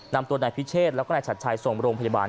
นำตัวนายพิเชษแล้วก็นายฉัดชัยส่งโรงพยาบาล